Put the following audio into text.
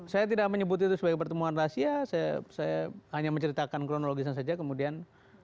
saya tidak menyebut itu sebagai pertemuan rahasia saya hanya menceritakan kronologisnya saja kemudian